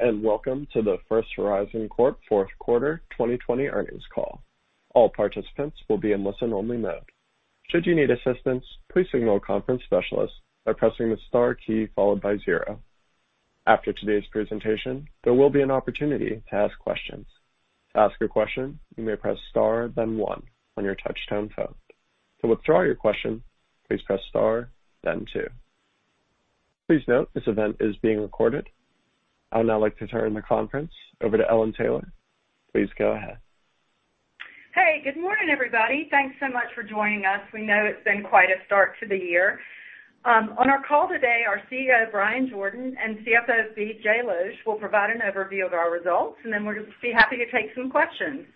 Welcome to the First Horizon Corp fourth quarter 2020 earnings call. All participants will be in listen-only mode. Should you need assistance, Please involve a conference specialist by pressing star key followed by zero. After today's presentation, there will be an opportunity to ask questions. To ask a question, you may press star then one on your touch-tone phone.. To withdraw your question, please press star then two. Please note this event is being recorded. I would now like to turn the conference over to Ellen Taylor. Please go ahead. Hey, good morning, everybody. Thanks so much for joining us. We know it's been quite a start to the year. On our call today, our CEO, Bryan Jordan, and CFO, BJ Losch, will provide an overview of our results, and then we're going to be happy to take some questions.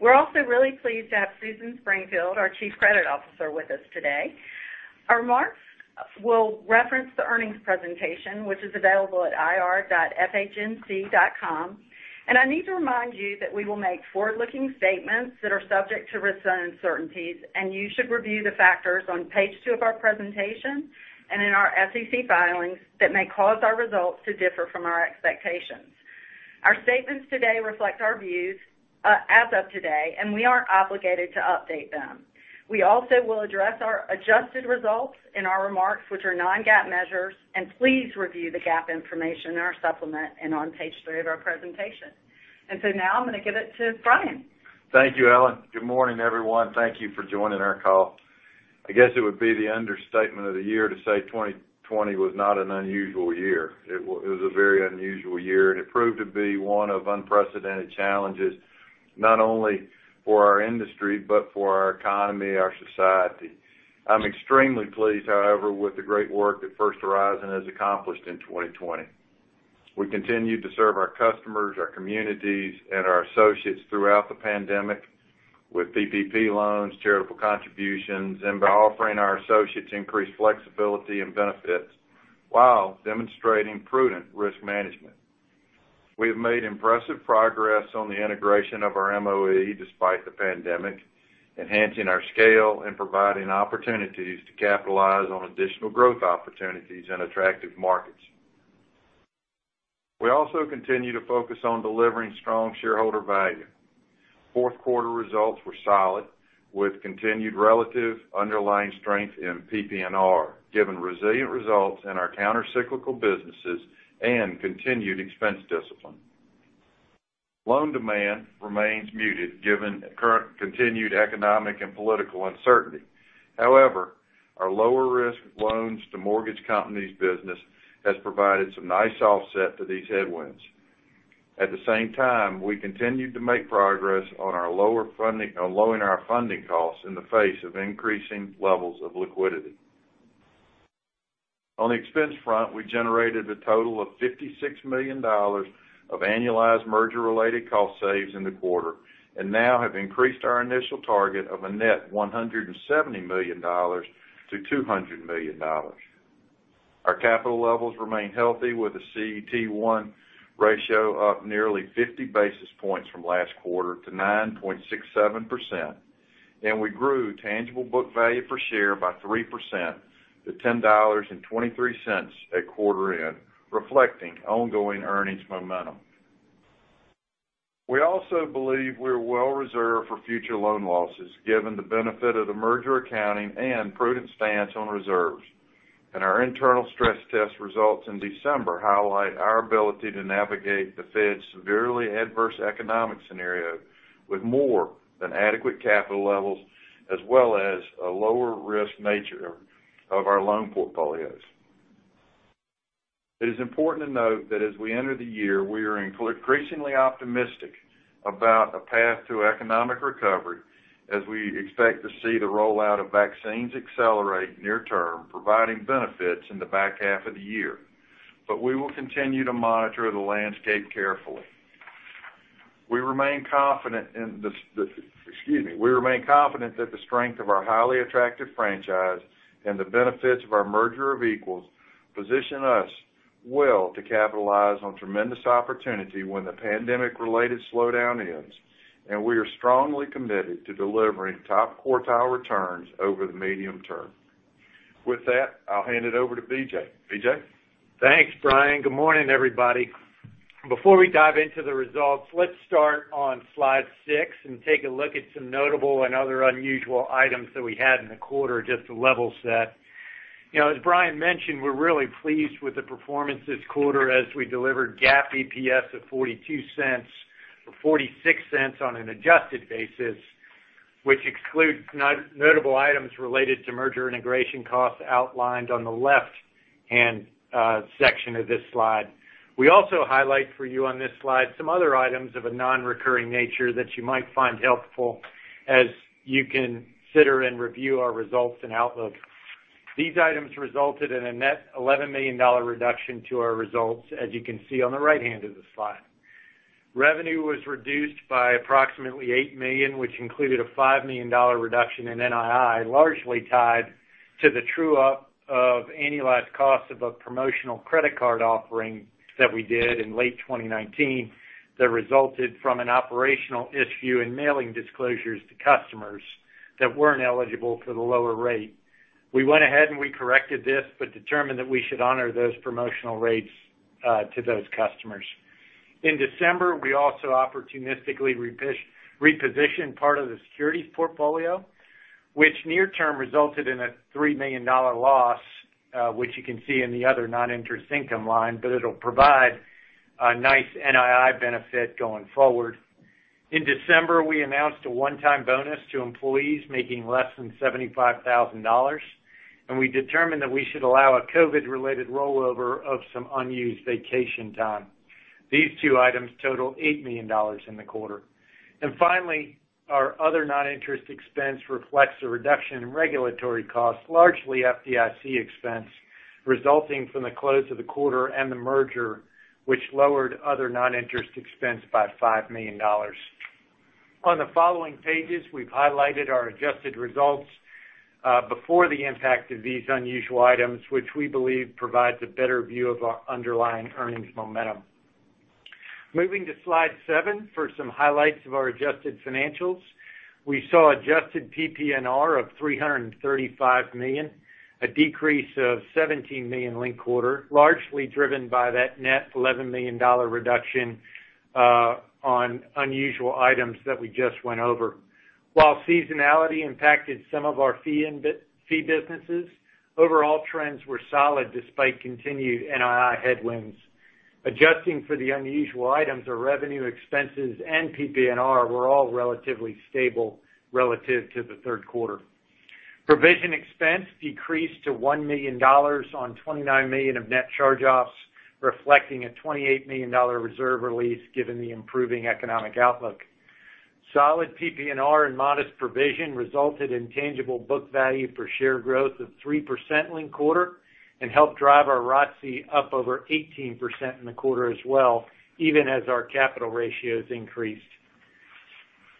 We're also really pleased to have Susan Springfield, our Chief Credit Officer, with us today. On remarks will reference the earnings presentation, which is available at ir.fhnc.com. I need to remind you that we will make forward-looking statements that are subject to risks and uncertainties, and you should review the factors on page two of our presentation and in our SEC filings that may cause our results to differ from our expectations. Our statements today reflect our views as of today, and we aren't obligated to update them. We also will address our adjusted results in our remarks, which are non-GAAP measures, and please review the GAAP information in our supplement and on page three of our presentation. Now I'm going to give it to Bryan. Thank you, Ellen. Good morning, everyone. Thank you for joining our call. I guess it would be the understatement of the year to say 2020 was not an unusual year. It was a very unusual year, and it proved to be one of unprecedented challenges, not only for our industry but for our economy, our society. I'm extremely pleased, however, with the great work that First Horizon has accomplished in 2020. We continued to serve our customers, our communities, and our associates throughout the pandemic with PPP loans, charitable contributions, and by offering our associates increased flexibility and benefits while demonstrating prudent risk management. We have made impressive progress on the integration of our MOE despite the pandemic, enhancing our scale and providing opportunities to capitalize on additional growth opportunities in attractive markets. We also continue to focus on delivering strong shareholder value. Fourth quarter results were solid with continued relative underlying strength in PPNR, given resilient results in our countercyclical businesses and continued expense discipline. Loan demand remains muted given current continued economic and political uncertainty. However, our lower risk loans to mortgage companies business has provided some nice offset to these headwinds. At the same time, we continued to make progress on lowering our funding costs in the face of increasing levels of liquidity. On the expense front, we generated a total of $56 million of annualized merger-related cost saves in the quarter and now have increased our initial target of a net $170 million-$200 million. Our capital levels remain healthy with a CET1 ratio up nearly 50 basis points from last quarter to 9.67%, and we grew tangible book value per share by 3% to $10.23 at quarter end, reflecting ongoing earnings momentum. We also believe we're well reserved for future loan losses, given the benefit of the merger accounting and prudent stance on reserves. Our internal stress test results in December highlight our ability to navigate the Fed's severely adverse economic scenario with more than adequate capital levels, as well as a lower risk nature of our loan portfolios. It is important to note that as we enter the year, we are increasingly optimistic about a path to economic recovery as we expect to see the rollout of vaccines accelerate near term, providing benefits in the back half of the year. We will continue to monitor the landscape carefully. We remain confident in excuse me. We remain confident that the strength of our highly attractive franchise and the benefits of our merger of equals position us well to capitalize on tremendous opportunity when the pandemic-related slowdown ends. We are strongly committed to delivering top quartile returns over the medium term. With that, I'll hand it over to BJ. BJ? Thanks, Bryan. Good morning, everybody. Before we dive into the results, let's start on slide six and take a look at some notable and other unusual items that we had in the quarter just to level set. As Bryan mentioned, we're really pleased with the performance this quarter as we delivered GAAP EPS of $0.42 or $0.46 on an adjusted basis, which excludes notable items related to merger integration costs outlined on the left-hand section of this slide. We also highlight for you on this slide some other items of a non-recurring nature that you might find helpful as you consider and review our results and outlook. These items resulted in a net $11 million reduction to our results, as you can see on the right-hand of the slide. Revenue was reduced by approximately $8 million, which included a $5 million reduction in NII, largely tied to the true-up of annualized cost of a promotional credit card offering that we did in late 2019 that resulted from an operational issue in mailing disclosures to customers that weren't eligible for the lower rate. We went ahead and we corrected this, but determined that we should honor those promotional rates to those customers. In December, we also opportunistically repositioned part of the securities portfolio, which near term resulted in a $3 million loss, which you can see in the other non-interest income line, but it'll provide a nice NII benefit going forward. In December, we announced a one-time bonus to employees making less than $75,000, and we determined that we should allow a COVID related rollover of some unused vacation time. These two items total $8 million in the quarter. Finally, our other non-interest expense reflects a reduction in regulatory costs, largely FDIC expense, resulting from the close of the quarter and the merger, which lowered other non-interest expense by $5 million. On the following pages, we've highlighted our adjusted results before the impact of these unusual items, which we believe provides a better view of our underlying earnings momentum. Moving to slide seven for some highlights of our adjusted financials. We saw adjusted PPNR of $335 million, a decrease of $17 million linked quarter, largely driven by that net $11 million reduction on unusual items that we just went over. While seasonality impacted some of our fee businesses, overall trends were solid despite continued NII headwinds. Adjusting for the unusual items, our revenue expenses and PPNR were all relatively stable relative to the third quarter. Provision expense decreased to $1 million on $29 million of net charge-offs, reflecting a $28 million reserve release given the improving economic outlook. Solid PPNR and modest provision resulted in tangible book value per share growth of 3% linked quarter and helped drive our ROTCE up over 18% in the quarter as well, even as our capital ratios increased.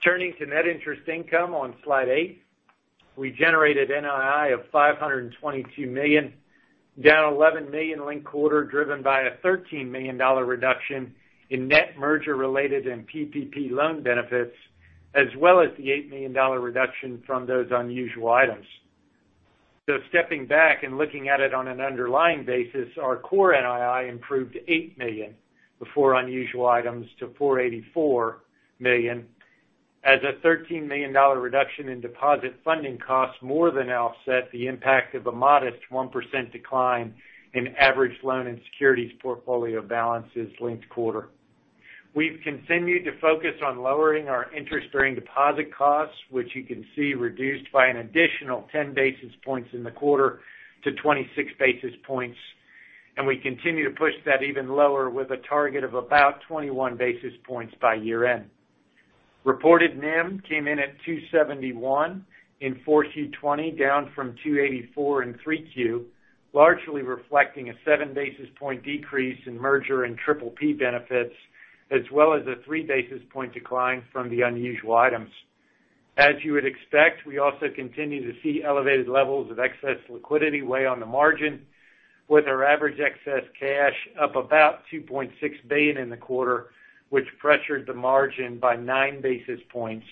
Turning to net interest income on slide eight. We generated NII of $522 million, down $11 million linked quarter, driven by a $13 million reduction in net merger related and PPP loan benefits, as well as the $8 million reduction from those unusual items. Stepping back and looking at it on an underlying basis, our core NII improved $8 million before unusual items to $484 million as a $13 million reduction in deposit funding costs more than offset the impact of a modest 1% decline in average loan and securities portfolio balances linked quarter. We've continued to focus on lowering our interest-bearing deposit costs, which you can see reduced by an additional 10 basis points in the quarter to 26 basis points, and we continue to push that even lower with a target of about 21 basis points by year end. Reported NIM came in at 271 in 4Q 2020, down from 284 in 3Q, largely reflecting a seven basis point decrease in merger and PPP benefits, as well as a three basis point decline from the unusual items. As you would expect, we also continue to see elevated levels of excess liquidity weigh on the margin with our average excess cash up about $2.6 billion in the quarter, which pressured the margin by 9 basis points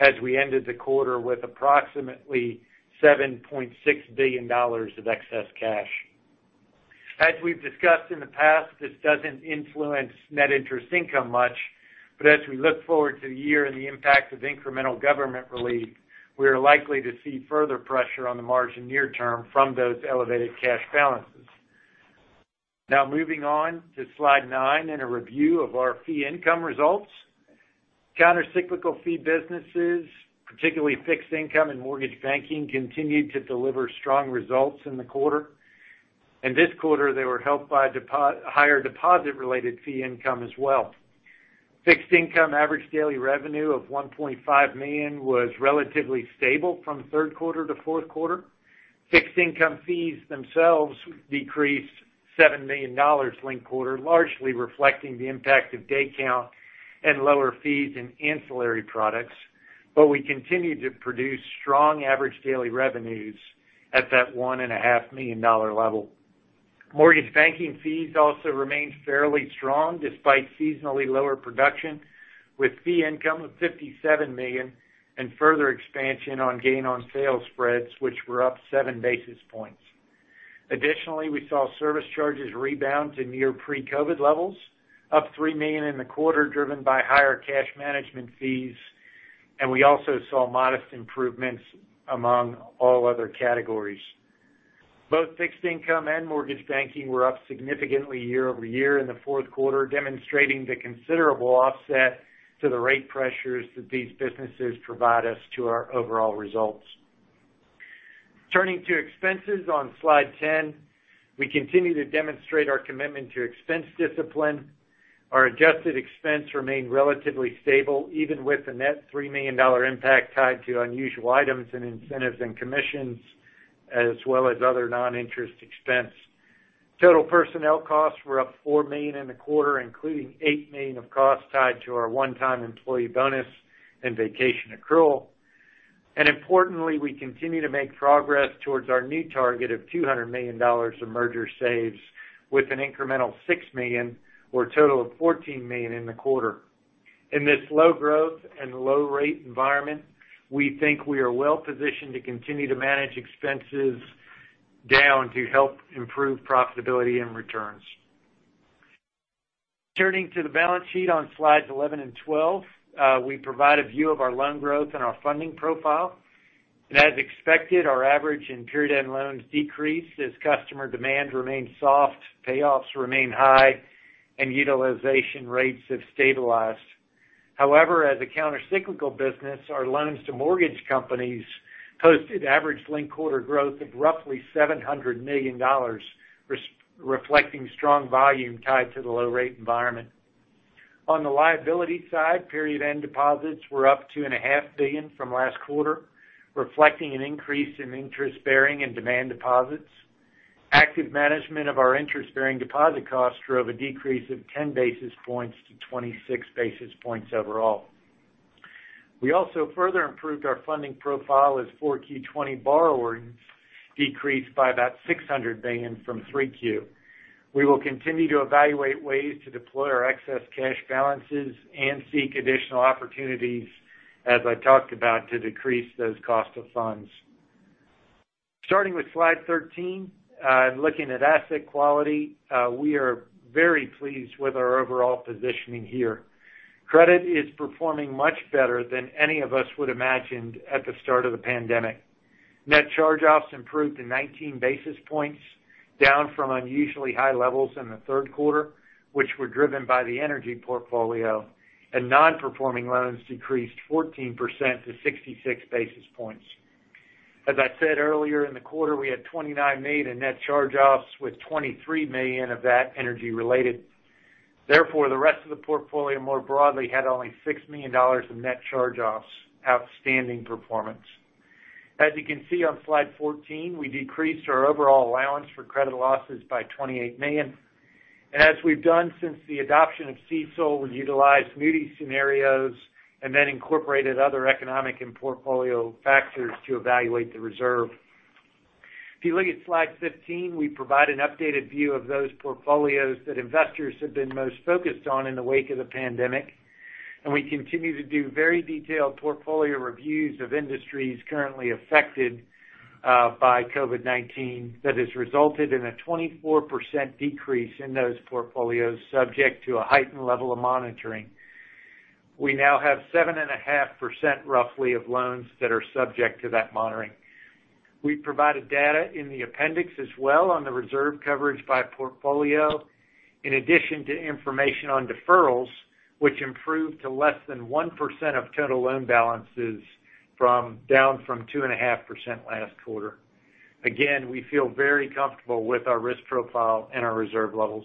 as we ended the quarter with approximately $7.6 billion of excess cash. As we've discussed in the past, this doesn't influence net interest income much, but as we look forward to the year and the impact of incremental government relief, we are likely to see further pressure on the margin near term from those elevated cash balances. Now moving on to slide nine and a review of our fee income results. Countercyclical fee businesses, particularly fixed income and mortgage banking, continued to deliver strong results in the quarter, and this quarter they were helped by higher deposit related fee income as well. Fixed income average daily revenue of $1.5 million was relatively stable from third quarter to fourth quarter. Fixed income fees themselves decreased $7 million linked quarter, largely reflecting the impact of day count and lower fees in ancillary products, but we continued to produce strong average daily revenues at that $1.5 million level. Mortgage banking fees also remained fairly strong despite seasonally lower production, with fee income of $57 million and further expansion on gain on sale spreads, which were up 7 basis points. Additionally, we saw service charges rebound to near pre-COVID-19 levels, up $3 million in the quarter, driven by higher cash management fees, and we also saw modest improvements among all other categories. Both fixed income and mortgage banking were up significantly year-over-year in the fourth quarter, demonstrating the considerable offset to the rate pressures that these businesses provide us to our overall results. Turning to expenses on slide 10. We continue to demonstrate our commitment to expense discipline. Our adjusted expense remained relatively stable, even with a net $3 million impact tied to unusual items in incentives and commissions, as well as other non-interest expense. Total personnel costs were up $4 million in the quarter, including $8 million of costs tied to our one-time employee bonus and vacation accrual. Importantly, we continue to make progress towards our new target of $200 million in merger saves with an incremental $6 million or a total of $14 million in the quarter. In this low growth and low rate environment, we think we are well-positioned to continue to manage expenses down to help improve profitability and returns. Turning to the balance sheet on slides 11 and 12, we provide a view of our loan growth and our funding profile. As expected, our average in period end loans decreased as customer demand remained soft, payoffs remain high, and utilization rates have stabilized. However, as a counter-cyclical business, our loans to mortgage companies hosted average linked quarter growth of roughly $700 million, reflecting strong volume tied to the low rate environment. On the liability side, period end deposits were up $2.5 billion from last quarter, reflecting an increase in interest bearing and demand deposits. Active management of our interest bearing deposit cost drove a decrease of 10 basis points-26 basis points overall. We also further improved our funding profile as 4Q 2020 borrowings decreased by about $600 million from 3Q. We will continue to evaluate ways to deploy our excess cash balances and seek additional opportunities, as I talked about, to decrease those cost of funds. Starting with slide 13, looking at asset quality, we are very pleased with our overall positioning here. Credit is performing much better than any of us would've imagined at the start of the pandemic. Net charge-offs improved to 19 basis points, down from unusually high levels in the third quarter, which were driven by the energy portfolio, and non-performing loans decreased 14% to 66 basis points. As I said earlier in the quarter, we had $29 million in net charge-offs, with $23 million of that energy related. Therefore, the rest of the portfolio more broadly had only $6 million in net charge-offs. Outstanding performance. As you can see on slide 14, we decreased our overall allowance for credit losses by $28 million. As we've done since the adoption of CECL, we utilized Moody's scenarios and then incorporated other economic and portfolio factors to evaluate the reserve. If you look at slide 15, we provide an updated view of those portfolios that investors have been most focused on in the wake of the pandemic. We continue to do very detailed portfolio reviews of industries currently affected by COVID-19 that has resulted in a 24% decrease in those portfolios subject to a heightened level of monitoring. We now have 7.5%, roughly, of loans that are subject to that monitoring. We provided data in the appendix as well on the reserve coverage by portfolio, in addition to information on deferrals, which improved to less than 1% of total loan balances down from 2.5% last quarter. Again, we feel very comfortable with our risk profile and our reserve levels.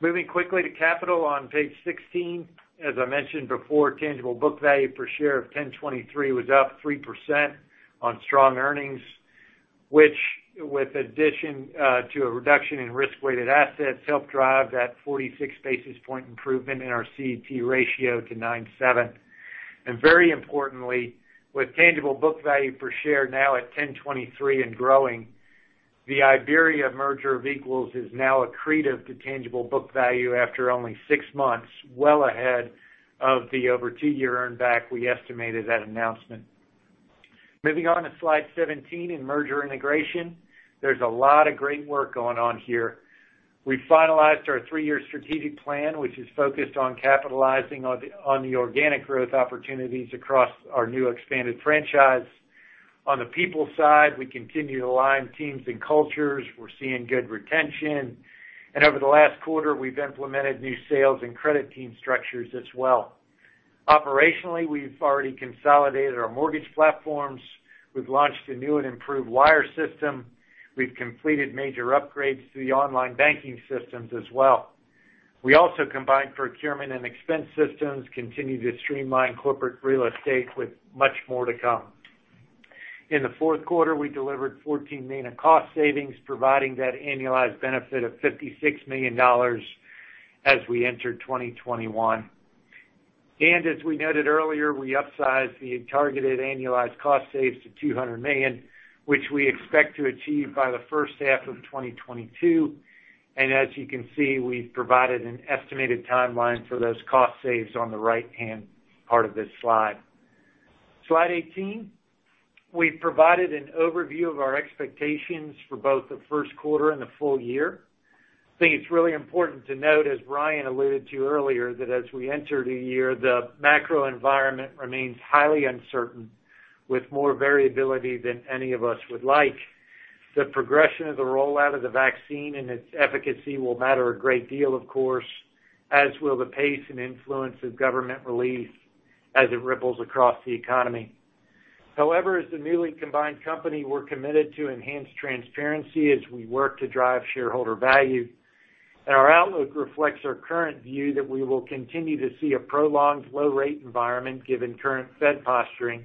Moving quickly to capital on page 16. As I mentioned before, tangible book value per share of $10.23 was up 3% on strong earnings, which with addition to a reduction in risk-weighted assets, helped drive that 46 basis point improvement in our CET ratio to 9.7%. Very importantly, with tangible book value per share now at $10.23 and growing, the IBERIA merger of equals is now accretive to tangible book value after only six months, well ahead of the over two-year earn back we estimated at announcement. Moving on to slide 17 in merger integration. There's a lot of great work going on here. We finalized our three-year strategic plan, which is focused on capitalizing on the organic growth opportunities across our new expanded franchise. On the people side, we continue to align teams and cultures. We're seeing good retention. Over the last quarter, we've implemented new sales and credit team structures as well. Operationally, we've already consolidated our mortgage platforms. We've launched a new and improved wire system. We've completed major upgrades to the online banking systems as well. We also combined procurement and expense systems, continue to streamline corporate real estate with much more to come. In the fourth quarter, we delivered $14 million in cost savings, providing that annualized benefit of $56 million as we enter 2021. As we noted earlier, we upsized the targeted annualized cost saves to $200 million, which we expect to achieve by the first half of 2022. As you can see, we've provided an estimated timeline for those cost saves on the right-hand part of this slide. Slide 18. We've provided an overview of our expectations for both the first quarter and the full year. I think it's really important to note, as Bryan alluded to earlier, that as we enter the year, the macro environment remains highly uncertain with more variability than any of us would like. The progression of the rollout of the vaccine and its efficacy will matter a great deal, of course, as will the pace and influence of government relief as it ripples across the economy. However, as the newly combined company, we're committed to enhanced transparency as we work to drive shareholder value. Our outlook reflects our current view that we will continue to see a prolonged low rate environment given current Fed posturing,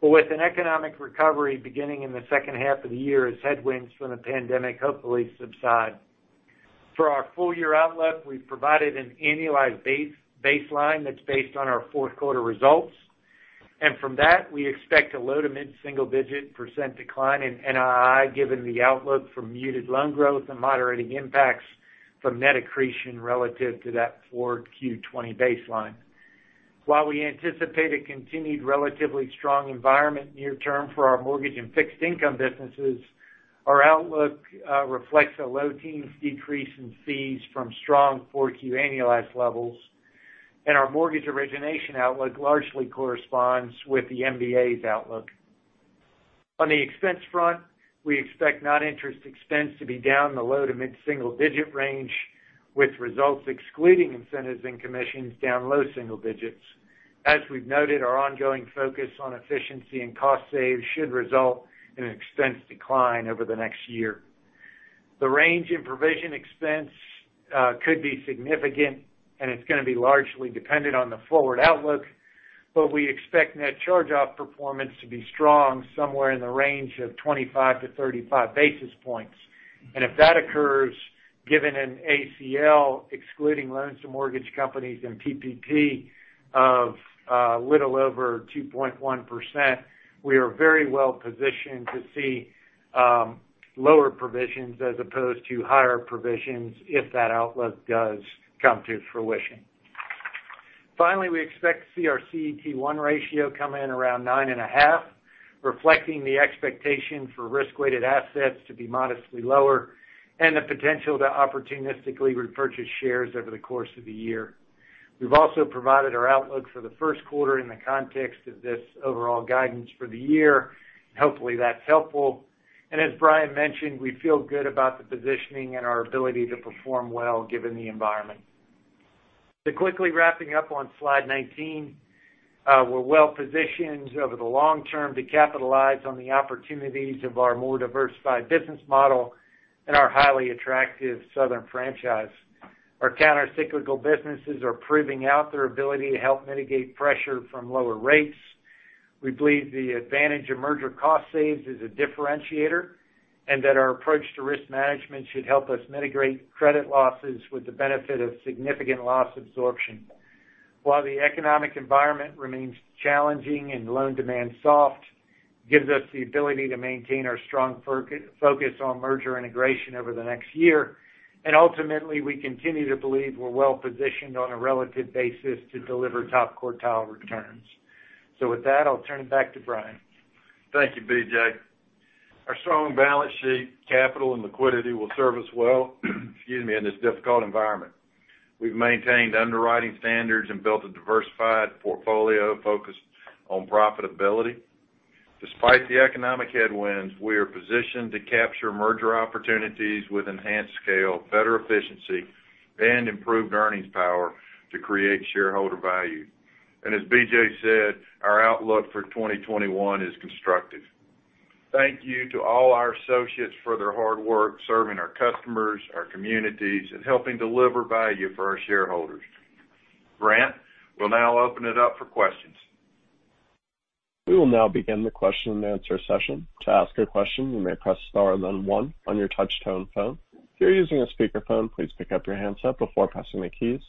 but with an economic recovery beginning in the second half of the year as headwinds from the pandemic hopefully subside. For our full year outlook, we've provided an annualized baseline that's based on our fourth quarter results. From that, we expect a low to mid-single digit percent decline in NII, given the outlook for muted loan growth and moderating impacts from net accretion relative to that 4Q 2020 baseline. While we anticipate a continued relatively strong environment near-term for our mortgage and fixed income businesses, our outlook reflects a low-teens decrease in fees from strong 4Q annualized levels, and our mortgage origination outlook largely corresponds with the MBA's outlook. On the expense front, we expect non-interest expense to be down in the low to mid-single digit range, with results excluding incentives and commissions down low-single digits. As we've noted, our ongoing focus on efficiency and cost saves should result in an expense decline over the next year. The range in provision expense could be significant, and it's going to be largely dependent on the forward outlook, but we expect net charge off performance to be strong somewhere in the range of 25 basis points-35 basis points. If that occurs, given an ACL excluding loans to mortgage companies and PPP of a little over 2.1%, we are very well positioned to see lower provisions as opposed to higher provisions if that outlook does come to fruition. We expect to see our CET1 ratio come in around 9.5%, reflecting the expectation for risk-weighted assets to be modestly lower and the potential to opportunistically repurchase shares over the course of the year. We've also provided our outlook for the first quarter in the context of this overall guidance for the year. Hopefully that's helpful. As Bryan mentioned, we feel good about the positioning and our ability to perform well given the environment. Quickly wrapping up on slide 19, we're well-positioned over the long term to capitalize on the opportunities of our more diversified business model and our highly attractive southern franchise. Our countercyclical businesses are proving out their ability to help mitigate pressure from lower rates. We believe the advantage of merger cost saves is a differentiator, and that our approach to risk management should help us mitigate credit losses with the benefit of significant loss absorption. While the economic environment remains challenging and loan demand soft, it gives us the ability to maintain our strong focus on merger integration over the next year. Ultimately, we continue to believe we're well-positioned on a relative basis to deliver top quartile returns. With that, I'll turn it back to Bryan. Thank you, BJ. Our strong balance sheet capital and liquidity will serve us well in this difficult environment. We've maintained underwriting standards and built a diversified portfolio focused on profitability. Despite the economic headwinds, we are positioned to capture merger opportunities with enhanced scale, better efficiency, and improved earnings power to create shareholder value. As BJ said, our outlook for 2021 is constructive. Thank you to all our associates for their hard work serving our customers, our communities, and helping deliver value for our shareholders. Grant, we'll now open it up for questions. We will now begin the question-and-answer session. To ask a question you may press star then one on your touch-tone phone. If you are using a speaker phone, please pickup your handset before pressing the keys.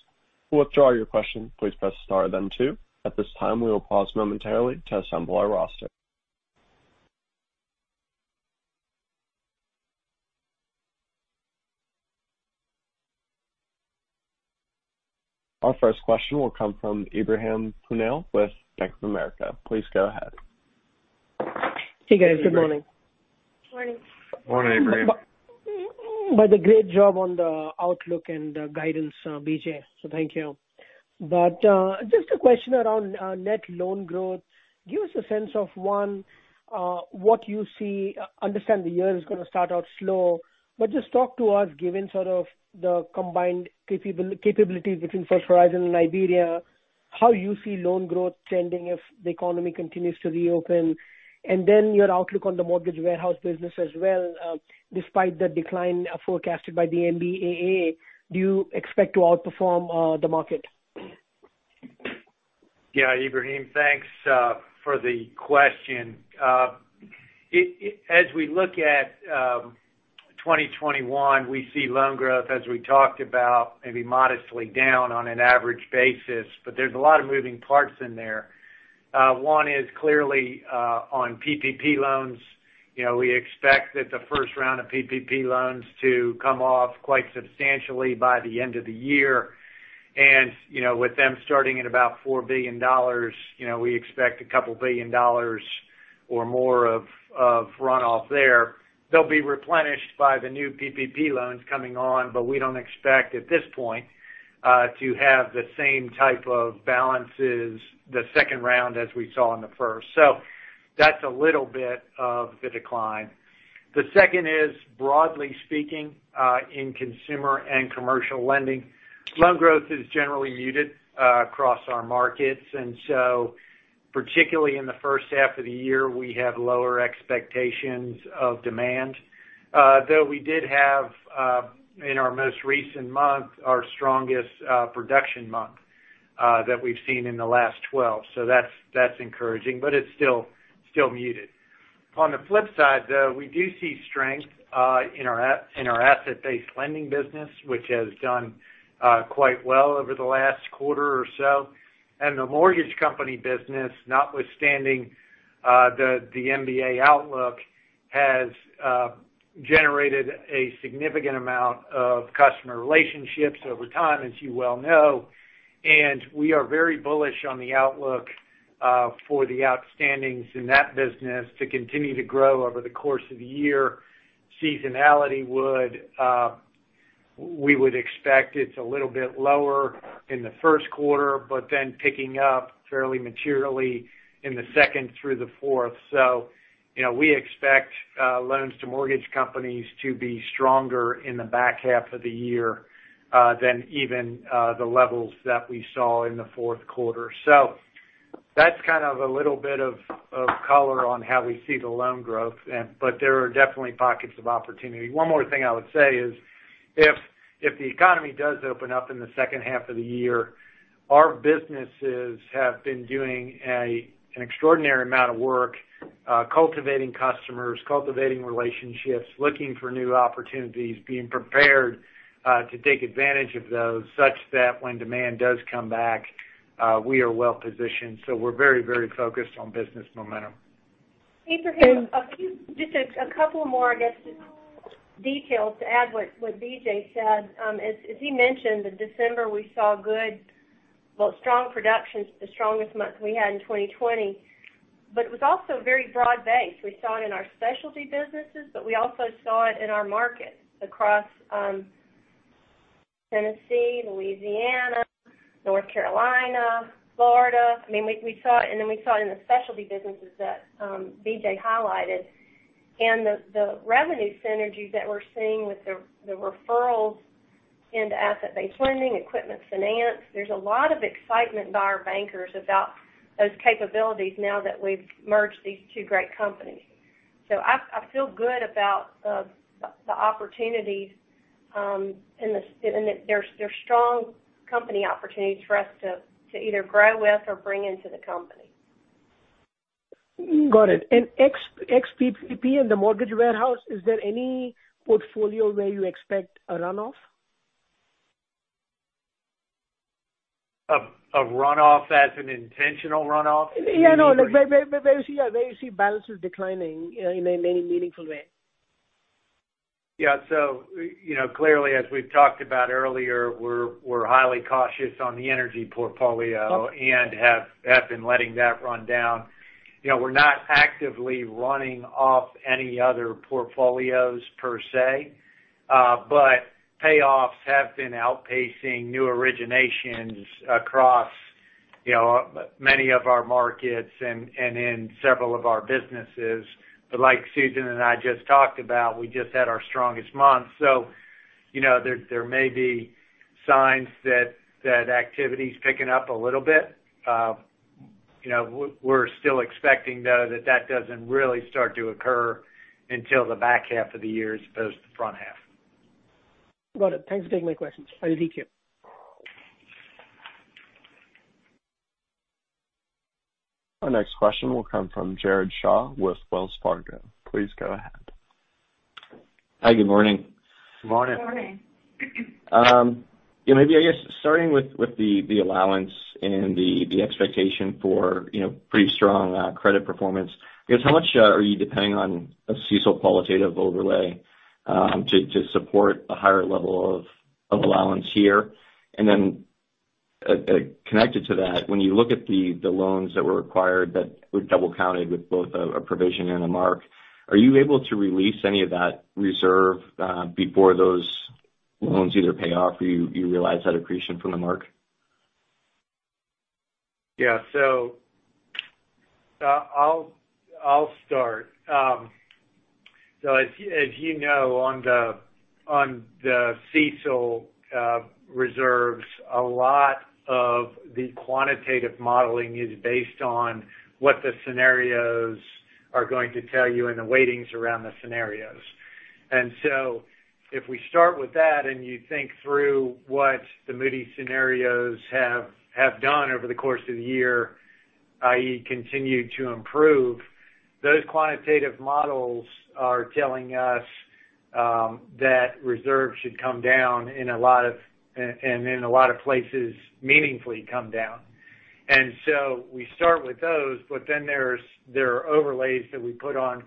To withdraw your question you may press star then two. At this time we will pass momentarily to assemble our roster. Our first question will come from Ebrahim Poonawala with Bank of America. Please go ahead. Hey, guys. Good morning. Morning. Morning, Ebrahim. By the way, great job on the outlook and the guidance, BJ. Thank you. Just a question around net loan growth. Give us a sense of, one, what you see, understand the year is going to start out slow, but just talk to us, given sort of the combined capabilities between First Horizon and IBERIA, how you see loan growth trending if the economy continues to reopen, and then your outlook on the mortgage warehouse business as well, despite the decline forecasted by the MBA, do you expect to outperform the market? Yeah, Ebrahim, thanks for the question. As we look at 2021, we see loan growth, as we talked about, maybe modestly down on an average basis, but there's a lot of moving parts in there. One is clearly, on PPP loans. We expect that the first round of PPP loans to come off quite substantially by the end of the year. With them starting at about $4 billion, we expect a couple billion dollars or more of runoff there. They'll be replenished by the new PPP loans coming on, but we don't expect at this point, to have the same type of balances the second round as we saw in the first. That's a little bit of the decline. The second is, broadly speaking, in consumer and commercial lending, loan growth is generally muted across our markets. Particularly in the first half of the year, we have lower expectations of demand. Though we did have, in our most recent month, our strongest production month that we've seen in the last 12. That's encouraging, but it's still muted. On the flip side, though, we do see strength in our asset-based lending business, which has done quite well over the last quarter or so. The mortgage company business, notwithstanding the MBA outlook, has generated a significant amount of customer relationships over time, as you well know. We are very bullish on the outlook for the outstandings in that business to continue to grow over the course of the year. Seasonality, we would expect it's a little bit lower in the first quarter, but then picking up fairly materially in the second through the fourth. We expect loans to mortgage companies to be stronger in the back half of the year than even the levels that we saw in the fourth quarter. That's kind of a little bit of color on how we see the loan growth, but there are definitely pockets of opportunity. One more thing I would say is if the economy does open up in the second half of the year, our businesses have been doing an extraordinary amount of work cultivating customers, cultivating relationships, looking for new opportunities, being prepared to take advantage of those, such that when demand does come back, we are well-positioned. We're very focused on business momentum. Ebrahim, just a couple more, I guess, details to add what BJ said. As he mentioned, in December, we saw strong productions, the strongest month we had in 2020, but it was also very broad-based. We saw it in our specialty businesses, but we also saw it in our markets across let me say, Louisiana, North Carolina, Florida. We saw it in the specialty businesses that BJ highlighted, the revenue synergies that we're seeing with the referrals into asset-based lending, equipment finance. There's a lot of excitement by our bankers about those capabilities now that we've merged these two great companies. I feel good about the opportunities, and they're strong company opportunities for us to either grow with or bring into the company. Got it. Ex-PPP and the mortgage warehouse, is there any portfolio where you expect a runoff? A runoff as an intentional runoff? Yeah. Where you see balances declining in a meaningful way. Clearly, as we've talked about earlier, we're highly cautious on the energy portfolio and have been letting that run down. We're not actively running off any other portfolios per se. Payoffs have been outpacing new originations across many of our markets and in several of our businesses. Like Susan and I just talked about, we just had our strongest month. There may be signs that activity's picking up a little bit. We're still expecting, though, that that doesn't really start to occur until the back half of the year as opposed to the front half. Got it. Thanks for taking my questions. I do thank you. Our next question will come from Jared Shaw with Wells Fargo. Please go ahead. Hi, good morning. Good morning. Good morning. I guess starting with the allowance and the expectation for pretty strong credit performance, I guess how much are you depending on a CECL qualitative overlay to support a higher level of allowance here? Connected to that, when you look at the loans that were acquired that were double-counted with both a provision and a mark, are you able to release any of that reserve before those loans either pay off or you realize that accretion from the mark? Yeah. I'll start. As you know, on the CECL reserves, a lot of the quantitative modeling is based on what the scenarios are going to tell you and the weightings around the scenarios. If we start with that and you think through what the Moody's scenarios have done over the course of the year, i.e. continued to improve, those quantitative models are telling us that reserves should come down, and in a lot of places, meaningfully come down. We start with those, but then there are overlays that we put on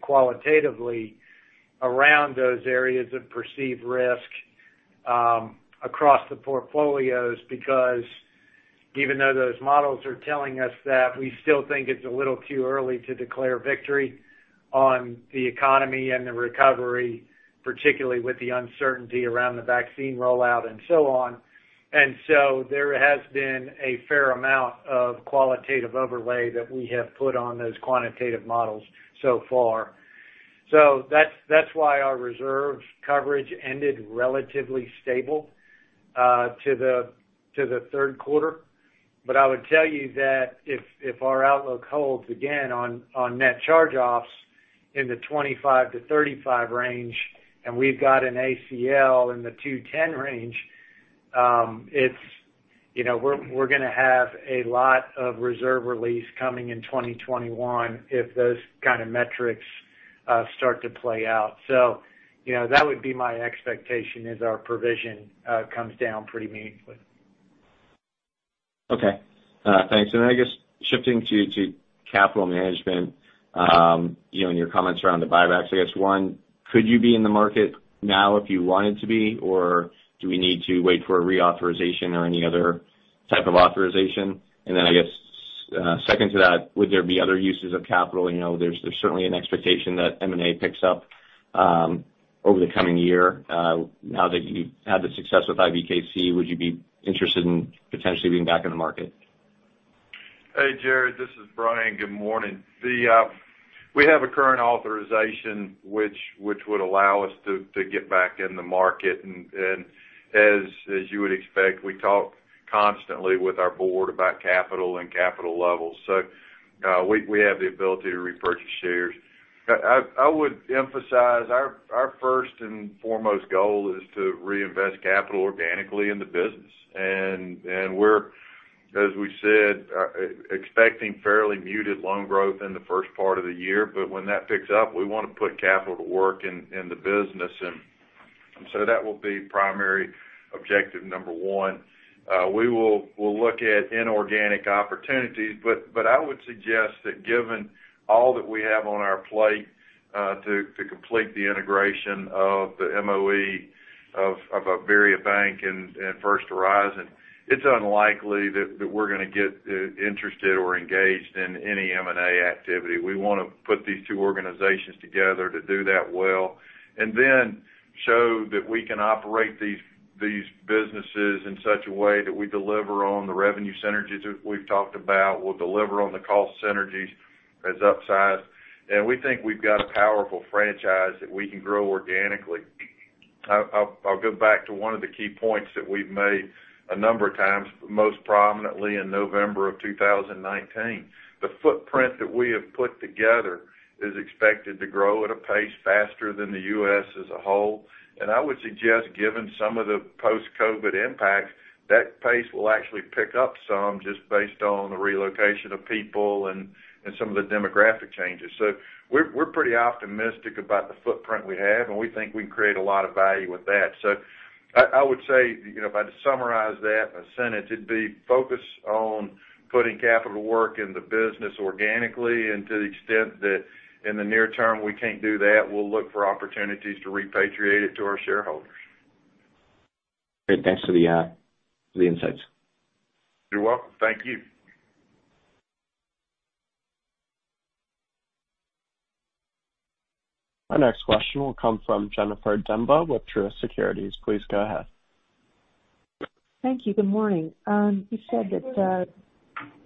qualitatively around those areas of perceived risk across the portfolios because even though those models are telling us that, we still think it's a little too early to declare victory on the economy and the recovery, particularly with the uncertainty around the vaccine rollout and so on. There has been a fair amount of qualitative overlay that we have put on those quantitative models so far. That's why our reserves coverage ended relatively stable to the third quarter. I would tell you that if our outlook holds again on net charge-offs in the 25-35 range, and we've got an ACL in the 210 range, we're going to have a lot of reserve release coming in 2021 if those kind of metrics start to play out. That would be my expectation, is our provision comes down pretty meaningfully. Okay. Thanks. I guess shifting to capital management, in your comments around the buybacks, I guess, one, could you be in the market now if you wanted to be, or do we need to wait for a reauthorization or any other type of authorization? Then I guess, second to that, would there be other uses of capital? There's certainly an expectation that M&A picks up over the coming year. Now that you've had the success with IBKC, would you be interested in potentially being back in the market? Hey, Jared, this is Bryan. Good morning. As you would expect, we talk constantly with our board about capital and capital levels. We have the ability to repurchase shares. I would emphasize, our first and foremost goal is to reinvest capital organically in the business. We're, as we said, expecting fairly muted loan growth in the first part of the year, when that picks up, we want to put capital to work in the business. That will be primary objective number one. We'll look at inorganic opportunities, I would suggest that given all that we have on our plate to complete the integration of the MOE of IBERIABANK and First Horizon, it's unlikely that we're going to get interested or engaged in any M&A activity. We want to put these two organizations together to do that well, and then show that we can operate these businesses in such a way that we deliver on the revenue synergies that we've talked about. We'll deliver on the cost synergies as upsized. We think we've got a powerful franchise that we can grow organically. I'll go back to one of the key points that we've made a number of times, most prominently in November of 2019. The footprint that we have put together is expected to grow at a pace faster than the U.S. as a whole. I would suggest, given some of the post-COVID impacts, that pace will actually pick up some just based on the relocation of people and some of the demographic changes. We're pretty optimistic about the footprint we have, and we think we can create a lot of value with that. I would say, if I had to summarize that in a sentence, it'd be focus on putting capital work in the business organically, and to the extent that in the near term, we can't do that, we'll look for opportunities to repatriate it to our shareholders. Great, thanks for the insights. You're welcome. Thank you. Our next question will come from Jennifer Demba with Truist Securities. Please go ahead. Thank you. Good morning. You said that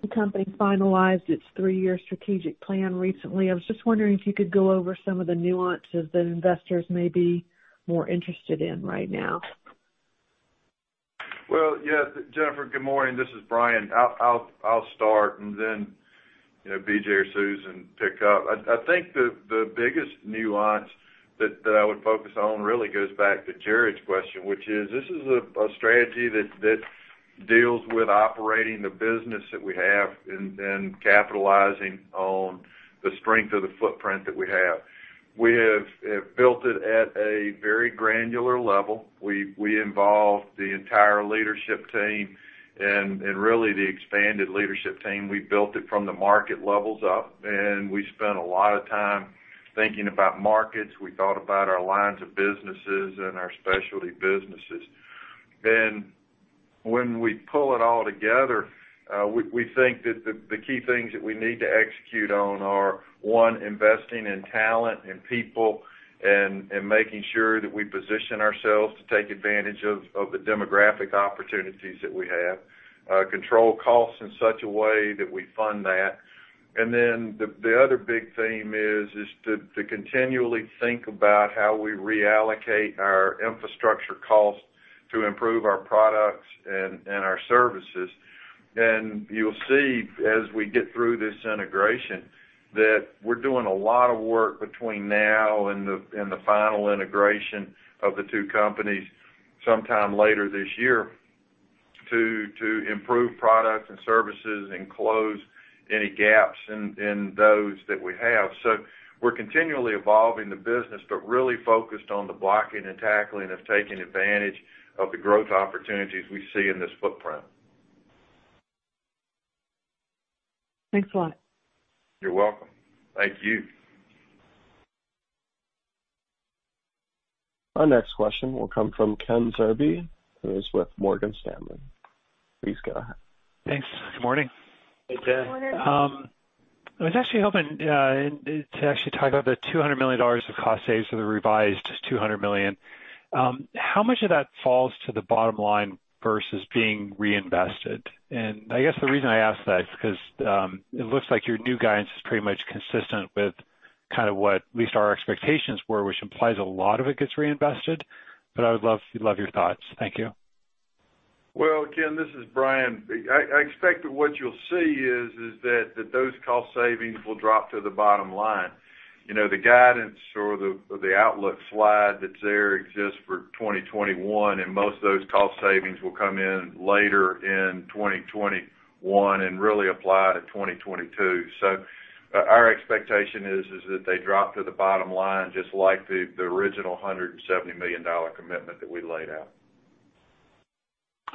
the company finalized its three-year strategic plan recently. I was just wondering if you could go over some of the nuances that investors may be more interested in right now. Yes. Jennifer, good morning. This is Bryan. I'll start and then BJ or Susan pick up. I think the biggest nuance that I would focus on really goes back to Jared's question, which is, this is a strategy that deals with operating the business that we have and capitalizing on the strength of the footprint that we have. We have built it at a very granular level. We involved the entire leadership team and really the expanded leadership team. We built it from the market levels up, and we spent a lot of time thinking about markets. We thought about our lines of businesses and our specialty businesses. When we pull it all together, we think that the key things that we need to execute on are, one, investing in talent and people, and making sure that we position ourselves to take advantage of the demographic opportunities that we have. Control costs in such a way that we fund that. The other big theme is to continually think about how we reallocate our infrastructure costs to improve our products and our services. You'll see as we get through this integration that we're doing a lot of work between now and the final integration of the two companies sometime later this year to improve products and services and close any gaps in those that we have. We're continually evolving the business, but really focused on the blocking and tackling of taking advantage of the growth opportunities we see in this footprint. Thanks a lot. You're welcome. Thank you. Our next question will come from Ken Zerbe, who is with Morgan Stanley. Please go ahead. Thanks. Good morning. Hey, Ken. Good morning. I was actually hoping to actually talk about the $200 million of cost saves or the revised $200 million. How much of that falls to the bottom line versus being reinvested? I guess the reason I ask that is because it looks like your new guidance is pretty much consistent with kind of what at least our expectations were, which implies a lot of it gets reinvested. I would love your thoughts. Thank you. Well, Ken, this is Bryan. I expect that what you'll see is that those cost savings will drop to the bottom line. The guidance or the outlook slide that's there exists for 2021, and most of those cost savings will come in later in 2021 and really apply to 2022. Our expectation is that they drop to the bottom line, just like the original $170 million commitment that we laid out.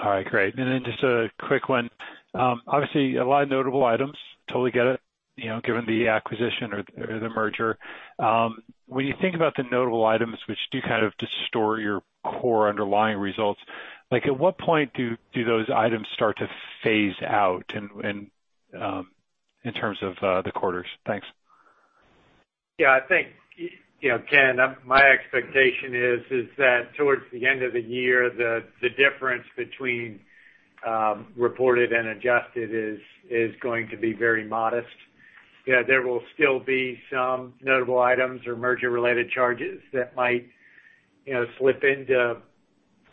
All right, great. Just a quick one. Obviously, a lot of notable items. Totally get it, given the acquisition or the merger. When you think about the notable items which do kind of distort your core underlying results, at what point do those items start to phase out in terms of the quarters? Thanks. Yeah, I think, Ken, my expectation is that towards the end of the year, the difference between reported and adjusted is going to be very modest. There will still be some notable items or merger-related charges that might slip into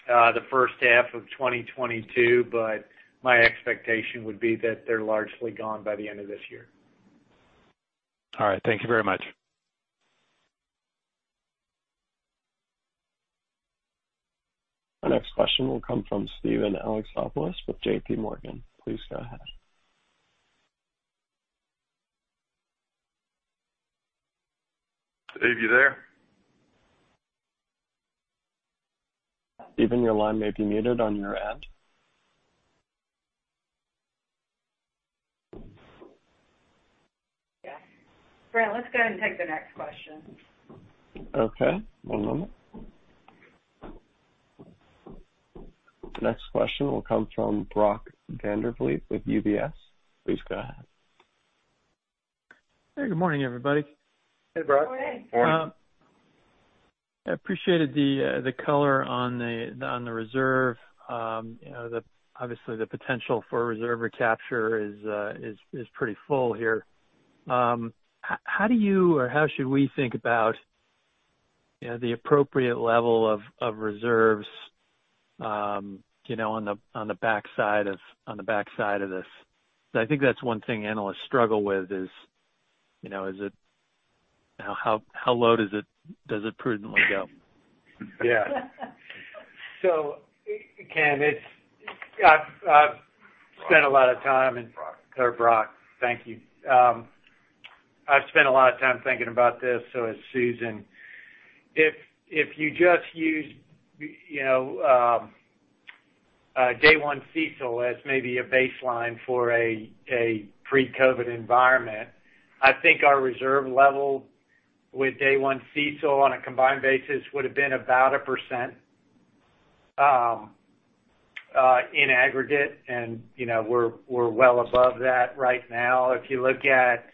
the first half of 2022, but my expectation would be that they're largely gone by the end of this year. All right. Thank you very much. Our next question will come from Steven Alexopoulos with JPMorgan. Please go ahead. Steve, you there? Steven, your line may be muted on your end. Yeah. Bryan, let's go ahead and take the next question. Okay. One moment. The next question will come from Brock Vandervliet with UBS. Please go ahead. Hey, good morning, everybody. Hey, Brock. Good morning. Morning. I appreciated the color on the reserve. Obviously, the potential for reserve recapture is pretty full here. How do you, or how should we think about the appropriate level of reserves on the backside of this? Because I think that's one thing analysts struggle with is, how low does it prudently go? Yeah. Ken, I've spent a lot of time and- Brock. Sorry, Brock. Thank you. I've spent a lot of time thinking about this, so has Susan. If you just use day one CECL as maybe a baseline for a pre-COVID environment, I think our reserve level with day one CECL on a combined basis would've been about 1% in aggregate, and we're well above that right now. If you look at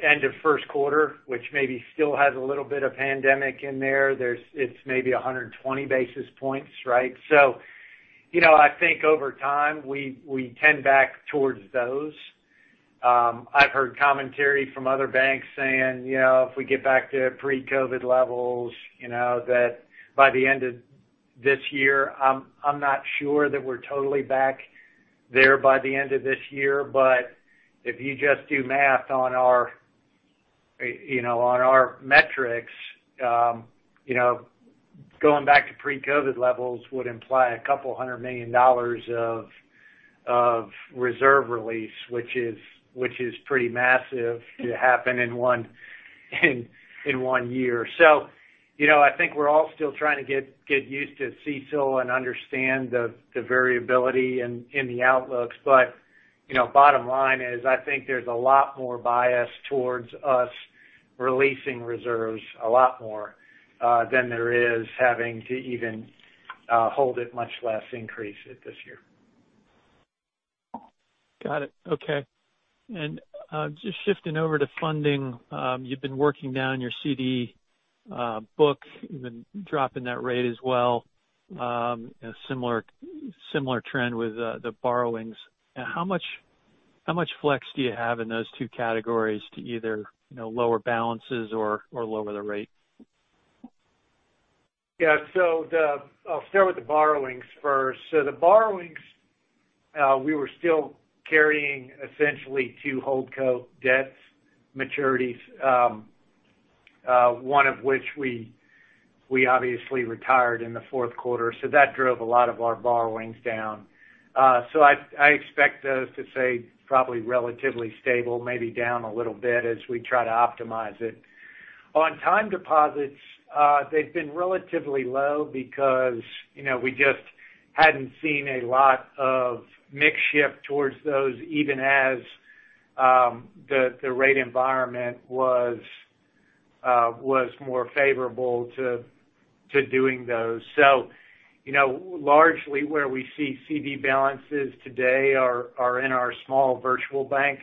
end of first quarter, which maybe still has a little bit of pandemic in there, it's maybe 120 basis points, right? I think over time, we tend back towards those. I've heard commentary from other banks saying, if we get back to pre-COVID levels, that by the end of this year. I'm not sure that we're totally back there by the end of this year. If you just do math on our metrics, going back to pre-COVID levels would imply a couple hundred million dollars of reserve release, which is pretty massive to happen in one year. I think we're all still trying to get used to CECL and understand the variability in the outlooks. Bottom line is, I think there's a lot more bias towards us releasing reserves a lot more than there is having to even hold it, much less increase it this year. Got it. Okay. Just shifting over to funding. You've been working down your CD book. You've been dropping that rate as well. A similar trend with the borrowings. How much flex do you have in those two categories to either lower balances or lower the rate? Yeah. I'll start with the borrowings first. The borrowings, we were still carrying essentially two holdco debt maturities, one of which we obviously retired in the fourth quarter, so that drove a lot of our borrowings down. I expect those to stay probably relatively stable, maybe down a little bit as we try to optimize it. On time deposits, they've been relatively low because we just hadn't seen a lot of mix shift towards those, even as the rate environment was more favorable to doing those. Largely where we see CD balances today are in our small virtual bank,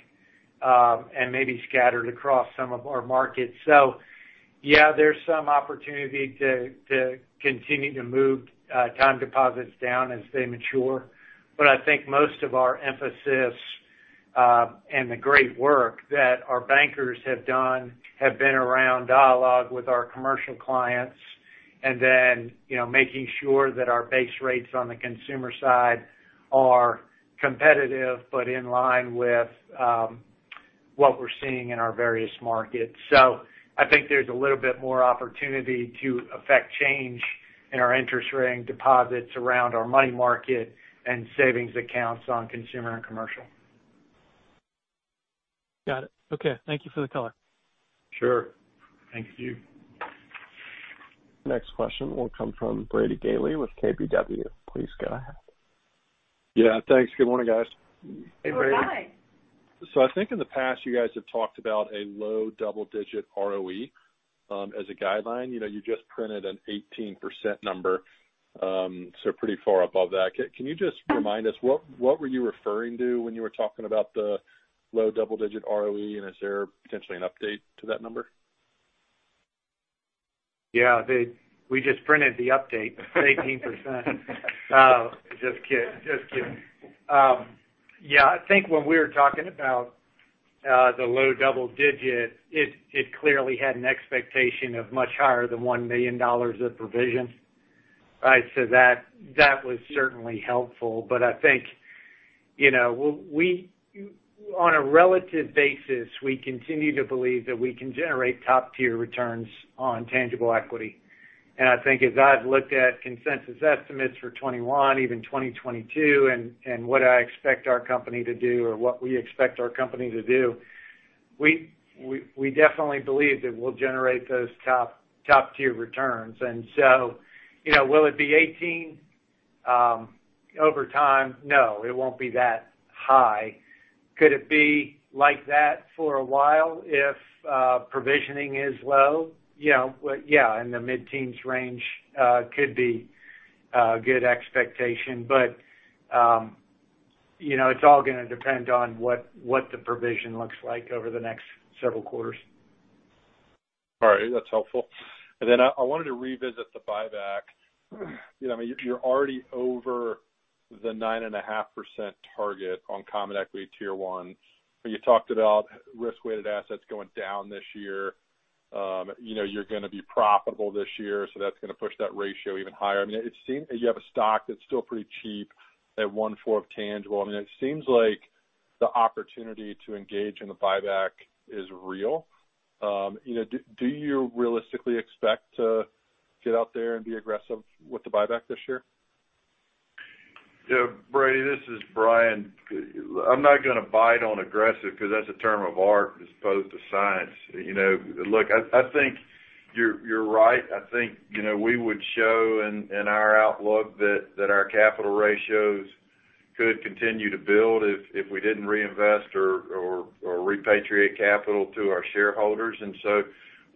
and maybe scattered across some of our markets. Yeah, there's some opportunity to continue to move time deposits down as they mature. I think most of our emphasis, and the great work that our bankers have done, have been around dialogue with our commercial clients, and then making sure that our base rates on the consumer side are competitive, but in line with What we're seeing in our various markets. I think there's a little bit more opportunity to affect change in our interest-bearing deposits around our money market and savings accounts on consumer and commercial. Got it. Okay, thank you for the color. Sure. Thank you. Next question will come from Brady Gailey with KBW. Please go ahead. Yeah, thanks. Good morning, guys. Hey, Brady. Good morning. I think in the past, you guys have talked about a low double-digit ROE, as a guideline. You just printed an 18% number, so pretty far above that. Can you just remind us, what were you referring to when you were talking about the low double-digit ROE, and is there potentially an update to that number? We just printed the update, it's 18%. Just kidding. I think when we were talking about the low double digit, it clearly had an expectation of much higher than $1 million of provision, right? That was certainly helpful. I think, on a relative basis, we continue to believe that we can generate top-tier returns on tangible equity. I think as I've looked at consensus estimates for 2021, even 2022, and what I expect our company to do or what we expect our company to do, we definitely believe that we'll generate those top-tier returns. Will it be 18 over time? No, it won't be that high. Could it be like that for a while if provisioning is low? In the mid-teens range could be a good expectation. It's all going to depend on what the provision looks like over the next several quarters. All right. That's helpful. I wanted to revisit the buyback. You're already over the 9.5% target on common equity Tier 1. You talked about risk-weighted assets going down this year. You're going to be profitable this year, so that's going to push that ratio even higher. You have a stock that's still pretty cheap at 1/4 tangible. It seems like the opportunity to engage in the buyback is real. Do you realistically expect to get out there and be aggressive with the buyback this year? Yeah, Brady, this is Bryan. I'm not going to bite on aggressive because that's a term of art as opposed to science. Look, I think you're right. I think we would show in our outlook that our capital ratios could continue to build if we didn't reinvest or repatriate capital to our shareholders.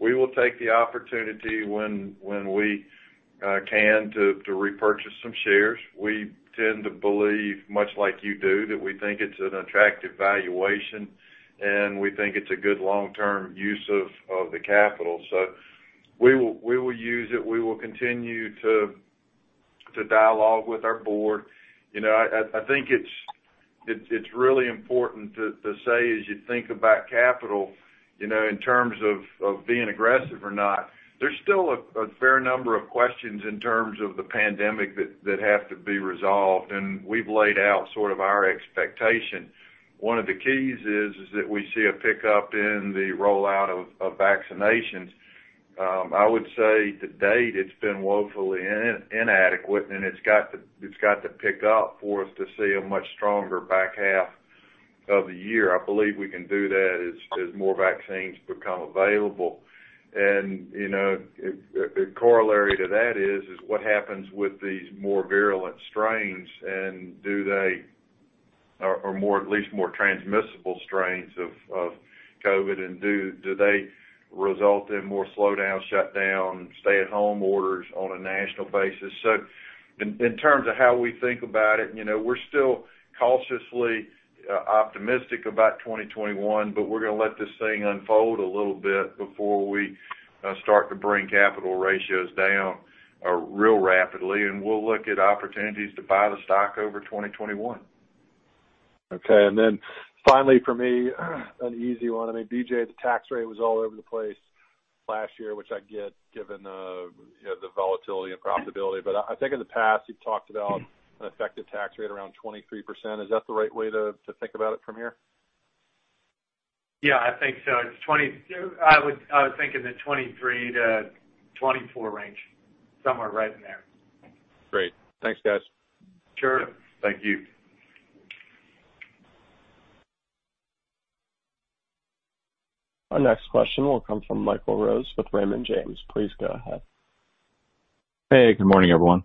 We will take the opportunity when we can to repurchase some shares. We tend to believe, much like you do, that we think it's an attractive valuation, and we think it's a good long-term use of the capital. We will use it. We will continue to dialogue with our board. I think it's really important to say, as you think about capital, in terms of being aggressive or not, there's still a fair number of questions in terms of the pandemic that have to be resolved, and we've laid out sort of our expectation. One of the keys is that we see a pickup in the rollout of vaccinations. I would say to date, it's been woefully inadequate, and it's got to pick up for us to see a much stronger back half of the year. I believe we can do that as more vaccines become available. The corollary to that is what happens with these more virulent strains, or at least more transmissible strains of COVID, and do they result in more slowdown, shutdown, stay-at-home orders on a national basis? In terms of how we think about it, we're still cautiously optimistic about 2021, but we're going to let this thing unfold a little bit before we start to bring capital ratios down real rapidly, and we'll look at opportunities to buy the stock over 2021. Okay. Finally for me, an easy one. I mean, BJ, the tax rate was all over the place last year, which I get given the volatility and profitability. I think in the past you've talked about an effective tax rate around 23%. Is that the right way to think about it from here? Yeah, I think so. I was thinking the 23%-24% range. Somewhere right in there. Great. Thanks, guys. Sure. Thank you. Our next question will come from Michael Rose with Raymond James. Please go ahead. Hey, good morning, everyone.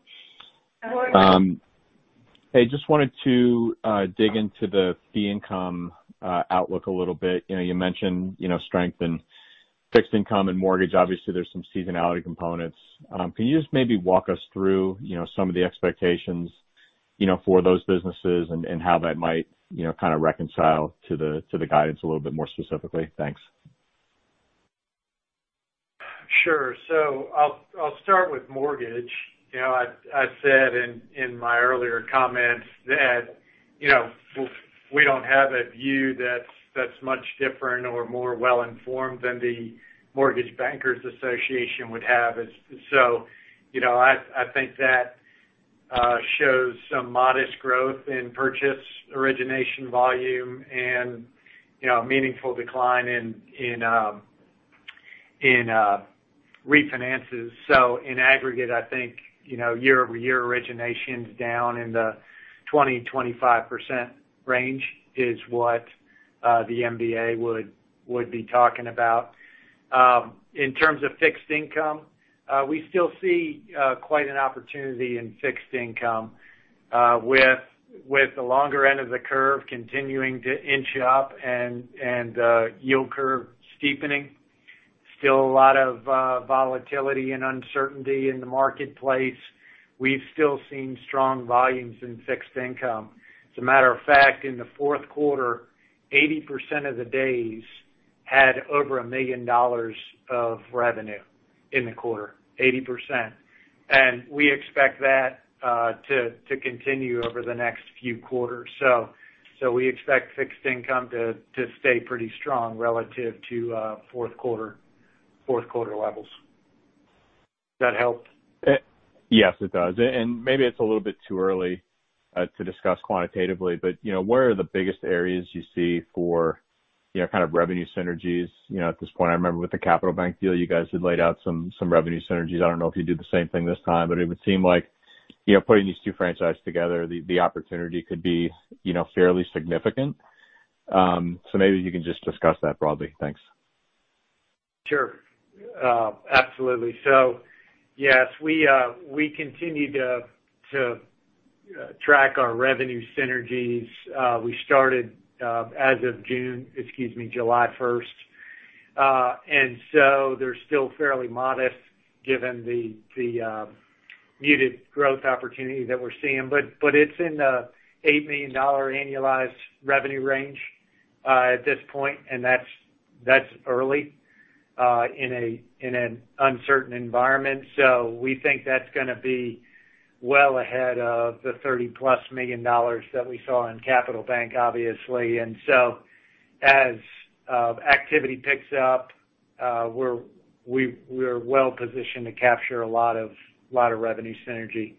Good morning. Hey, just wanted to dig into the fee income outlook a little bit. You mentioned strength in fixed income and mortgage. Obviously, there's some seasonality components. Can you just maybe walk us through some of the expectations for those businesses and how that might kind of reconcile to the guidance a little bit more specifically? Thanks. Sure. I'll start with mortgage. I said in my earlier comments that we don't have a view that's much different or more well-informed than the Mortgage Bankers Association would have. I think that shows some modest growth in purchase origination volume and meaningful decline in refinances. In aggregate, I think, year-over-year origination's down in the 20%-25% range is what the MBA would be talking about. In terms of fixed income, we still see quite an opportunity in fixed income, with the longer end of the curve continuing to inch up and yield curve steepening. Still a lot of volatility and uncertainty in the marketplace. We've still seen strong volumes in fixed income. As a matter of fact, in the fourth quarter, 80% of the days had over $1 million of revenue in the quarter, 80%. We expect that to continue over the next few quarters. We expect fixed income to stay pretty strong relative to fourth quarter levels. That help? Yes, it does. Maybe it's a little bit too early to discuss quantitatively, where are the biggest areas you see for kind of revenue synergies? At this point, I remember with the Capital Bank deal, you guys had laid out some revenue synergies. I don't know if you'd do the same thing this time, it would seem like putting these two franchises together, the opportunity could be fairly significant. Maybe you can just discuss that broadly. Thanks. Sure. Absolutely. Yes, we continue to track our revenue synergies. We started as of June-- excuse me, July 1st. They're still fairly modest given the muted growth opportunity that we're seeing. It's in the $8 million annualized revenue range at this point, and that's early in an uncertain environment. We think that's going to be well ahead of the $30+ million that we saw in Capital Bank, obviously. As activity picks up, we're well positioned to capture a lot of revenue synergy.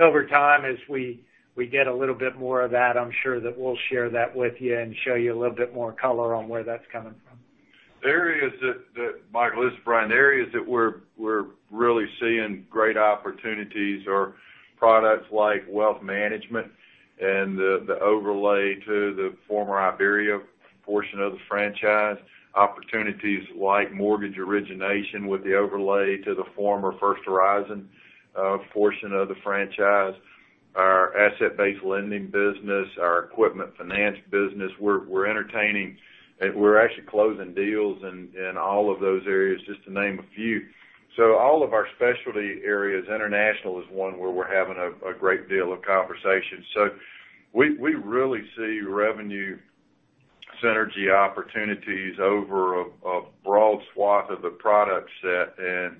Over time, as we get a little bit more of that, I'm sure that we'll share that with you and show you a little bit more color on where that's coming from. Michael, this is Bryan. The areas that we're really seeing great opportunities are products like wealth management and the overlay to the former Iberia portion of the franchise. Opportunities like mortgage origination with the overlay to the former First Horizon portion of the franchise. Our asset-based lending business, our equipment finance business. We're entertaining and we're actually closing deals in all of those areas, just to name a few. All of our specialty areas, international is one where we're having a great deal of conversation. We really see revenue synergy opportunities over a broad swath of the product set, and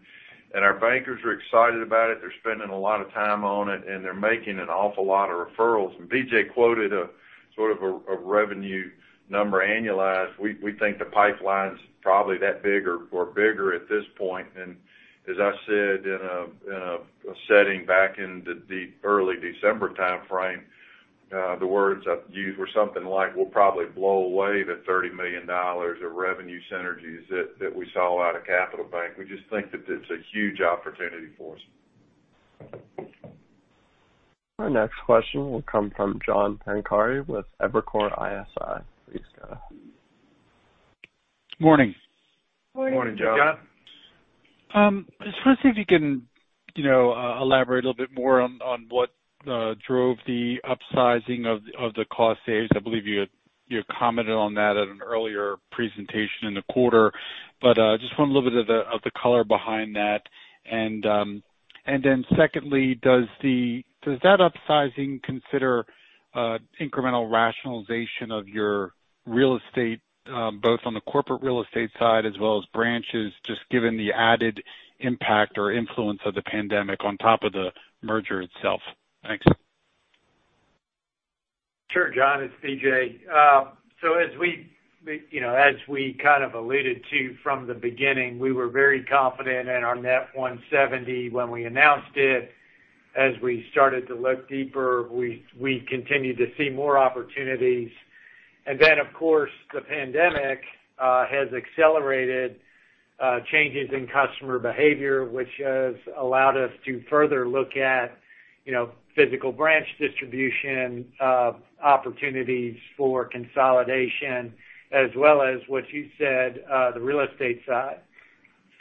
our bankers are excited about it. They're spending a lot of time on it, and they're making an awful lot of referrals. BJ quoted a sort of a revenue number annualized. We think the pipeline's probably that big or bigger at this point. As I said in a setting back in the early December timeframe, the words I used were something like, we'll probably blow away the $30 million of revenue synergies that we saw out of Capital Bank. We just think that it's a huge opportunity for us. Our next question will come from John Pancari with Evercore ISI. Please go ahead. Morning. Morning, John. Morning, John. I just want to see if you can elaborate a little bit more on what drove the upsizing of the cost saves. I believe you had commented on that at an earlier presentation in the quarter. Just want a little bit of the color behind that. Secondly, does that upsizing consider incremental rationalization of your real estate, both on the corporate real estate side as well as branches, just given the added impact or influence of the pandemic on top of the merger itself? Thanks. Sure, John, it's BJ. As we kind of alluded to from the beginning, we were very confident in our net 170 when we announced it. As we started to look deeper, we continued to see more opportunities. Of course, the pandemic has accelerated changes in customer behavior, which has allowed us to further look at physical branch distribution, opportunities for consolidation, as well as what you said, the real estate side.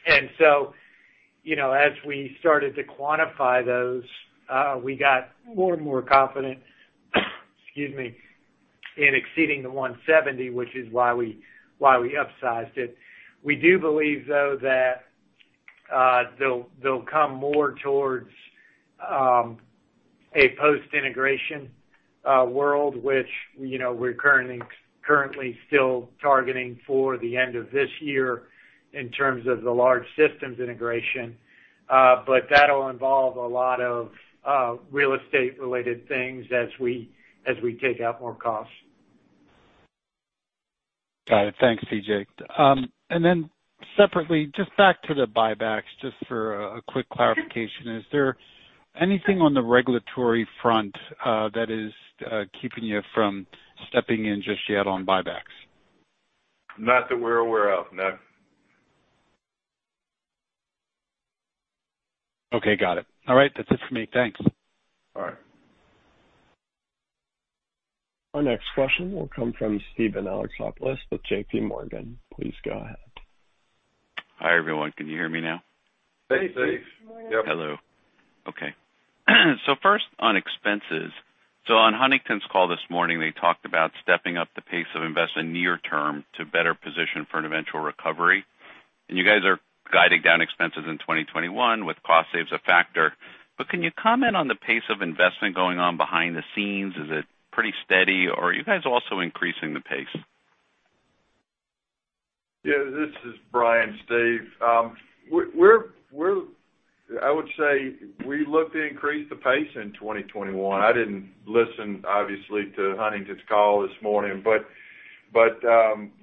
As we started to quantify those, we got more and more confident, excuse me, in exceeding the 170, which is why we upsized it. We do believe, though, that they'll come more towards a post-integration world, which we're currently still targeting for the end of this year in terms of the large systems integration. That'll involve a lot of real estate related things as we take out more costs. Got it. Thanks, BJ. Separately, just back to the buybacks, just for a quick clarification, is there anything on the regulatory front that is keeping you from stepping in just yet on buybacks? Not that we're aware of, no. Okay, got it. All right. That's it for me. Thanks. All right. Our next question will come from Steven Alexopoulos with JPMorgan. Please go ahead. Hi, everyone. Can you hear me now? Hey, Steve. Yep. Hello. Okay. First on expenses. On Huntington's call this morning, they talked about stepping up the pace of investment near term to better position for an eventual recovery, and you guys are guiding down expenses in 2021 with cost save as a factor. Can you comment on the pace of investment going on behind the scenes? Is it pretty steady, or are you guys also increasing the pace? Yeah, this is Bryan, Steve. I would say we look to increase the pace in 2021. I didn't listen, obviously, to Huntington's call this morning, but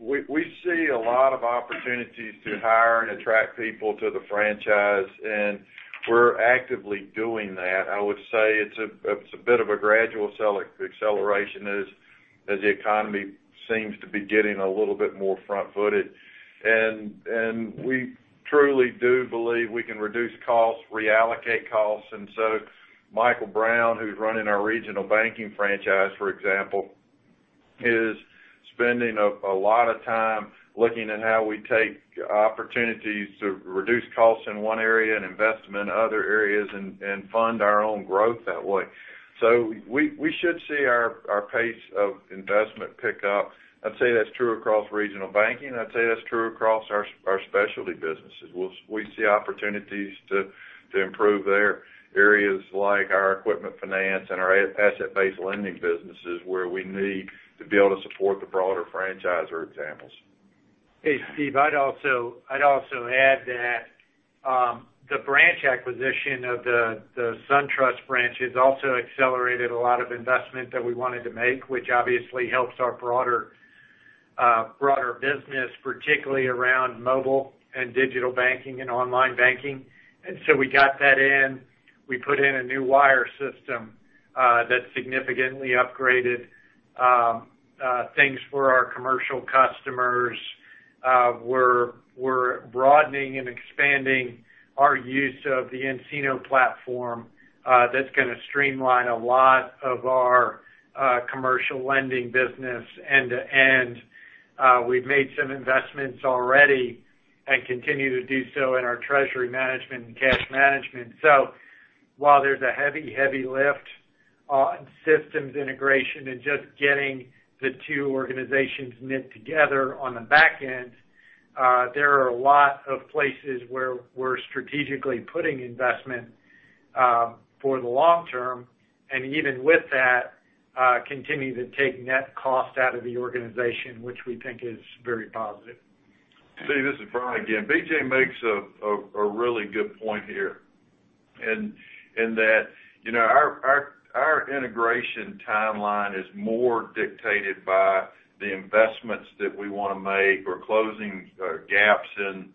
we see a lot of opportunities to hire and attract people to the franchise, and we're actively doing that. I would say it's a bit of a gradual acceleration as the economy seems to be getting a little bit more front-footed. We truly do believe we can reduce costs, reallocate costs. Michael Brown, who's running our regional banking franchise, for example, is spending a lot of time looking at how we take opportunities to reduce costs in one area and investment other areas and fund our own growth that way. We should see our pace of investment pick up. I'd say that's true across regional banking. I'd say that's true across our specialty businesses. We see opportunities to improve there, areas like our equipment finance and our asset-based lending businesses where we need to be able to support the broader franchise are examples. Hey, Steve, I'd also add that the branch acquisition of the SunTrust branch has also accelerated a lot of investment that we wanted to make, which obviously helps our broader business, particularly around mobile and digital banking and online banking. We got that in. We put in a new wire system, that significantly upgraded things for our commercial customers. We're broadening and expanding our use of the nCino platform. That's going to streamline a lot of our commercial lending business end-to-end. We've made some investments already and continue to do so in our treasury management and cash management. While there's a heavy lift on systems integration and just getting the two organizations knit together on the back end, there are a lot of places where we're strategically putting investment for the long term, and even with that, continue to take net cost out of the organization, which we think is very positive. Steve, this is Bryan again. BJ makes a really good point here in that our integration timeline is more dictated by the investments that we want to make or closing gaps in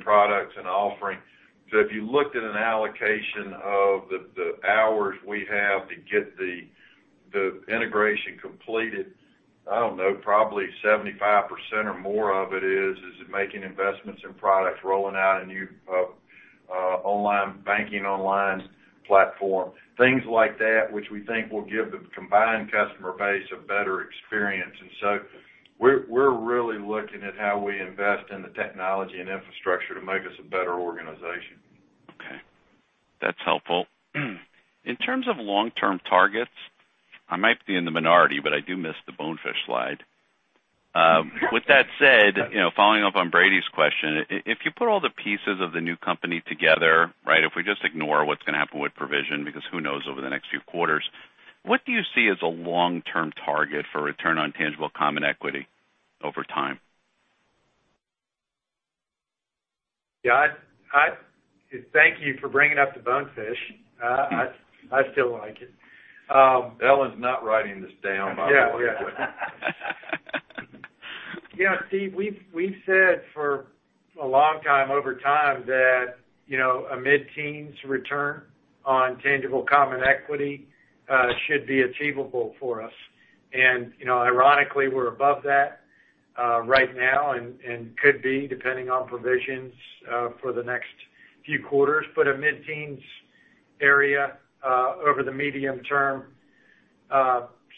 products and offering. If you looked at an allocation of the hours we have to get the integration completed, I don't know, probably 75% or more of it is making investments in products, rolling out a new online banking online platform, things like that, which we think will give the combined customer base a better experience. We're really looking at how we invest in the technology and infrastructure to make us a better organization. Okay. That's helpful. In terms of long-term targets, I might be in the minority, but I do miss the bonefish slide. With that said, following up on Brady's question, if you put all the pieces of the new company together, if we just ignore what's going to happen with provision because who knows over the next few quarters, what do you see as a long-term target for return on tangible common equity over time? Yeah. Thank you for bringing up the bonefish. I still like it. Ellen's not writing this down, by the way. Steven, we've said for a long time over time that a mid-teens return on tangible common equity should be achievable for us. Ironically, we're above that right now and could be, depending on provisions for the next few quarters. A mid-teens area over the medium term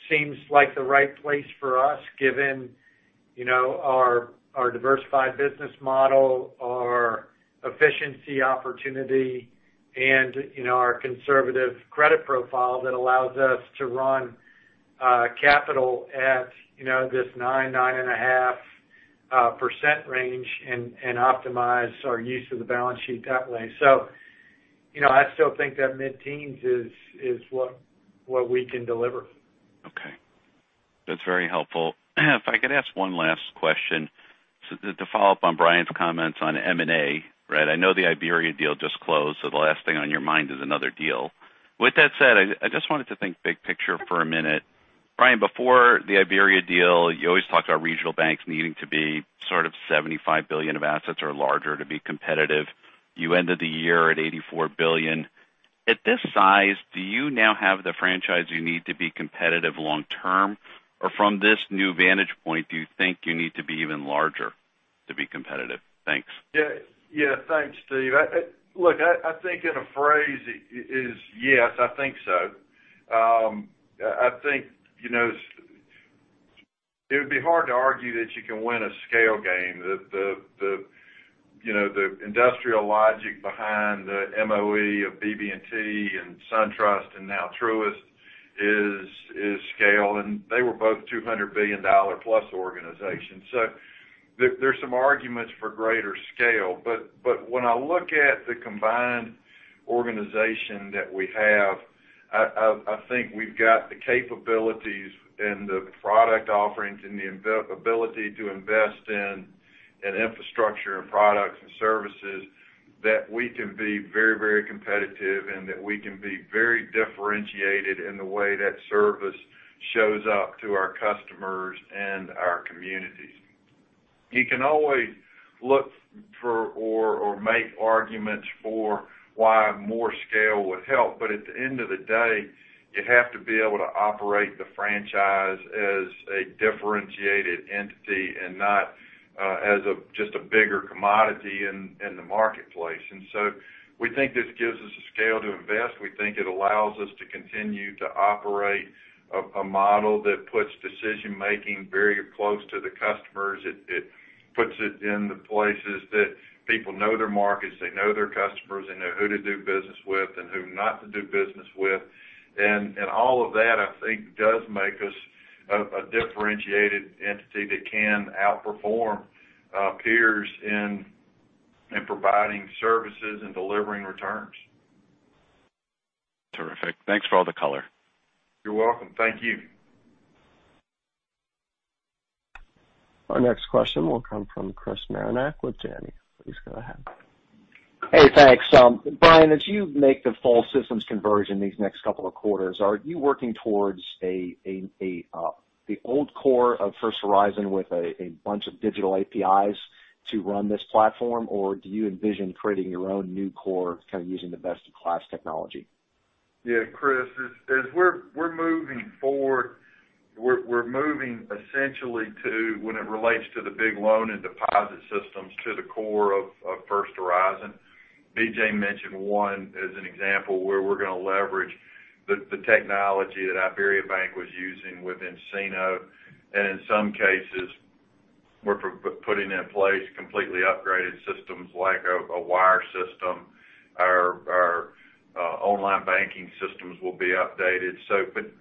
seems like the right place for us given our diversified business model, our efficiency opportunity, and our conservative credit profile that allows us to run capital at this 9.5% range and optimize our use of the balance sheet that way. I still think that mid-teens is what we can deliver. Okay. That's very helpful. If I could ask one last question to follow up on Bryan's comments on M&A, right? I know the Iberia deal just closed, so the last thing on your mind is another deal. With that said, I just wanted to think big picture for a minute. Bryan, before the Iberia deal, you always talked about regional banks needing to be sort of $75 billion of assets or larger to be competitive. You ended the year at $84 billion. At this size, do you now have the franchise you need to be competitive long term? From this new vantage point, do you think you need to be even larger to be competitive? Thanks. Yeah. Thanks, Steve. Look, I think in a phrase it is, "Yes, I think so." It would be hard to argue that you can win a scale game. The industrial logic behind the MOE of BB&T and SunTrust and now Truist is scale, and they were both $200 billion-plus organizations. There some arguments for greater scale. When I look at the combined organization that we have, I think we've got the capabilities and the product offerings and the ability to invest in infrastructure and products and services, that we can be very competitive and that we can be very differentiated in the way that service shows up to our customers and our communities. You can always look for or make arguments for why more scale would help. At the end of the day, you have to be able to operate the franchise as a differentiated entity and not as just a bigger commodity in the marketplace. We think this gives us a scale to invest. We think it allows us to continue to operate a model that puts decision-making very close to the customers. It puts it in the places that people know their markets, they know their customers, they know who to do business with and who not to do business with. All of that, I think, does make us a differentiated entity that can outperform peers in providing services and delivering returns. Terrific. Thanks for all the color. You're welcome. Thank you. Our next question will come from Chris Marinac with Janney. Please go ahead. Hey, thanks. Bryan, as you make the full systems conversion these next couple of quarters, are you working towards the old core of First Horizon with a bunch of digital APIs to run this platform? Do you envision creating your own new core kind of using the best-in-class technology? Yeah, Chris, as we're moving forward, we're moving essentially to, when it relates to the big loan and deposit systems, to the core of First Horizon. BJ mentioned one as an example where we're going to leverage the technology that IBERIABANK was using with nCino, and in some cases, we're putting in place completely upgraded systems like a wire system. Our online banking systems will be updated.